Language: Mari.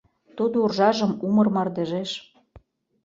Тудо уржажым умыр мардежеш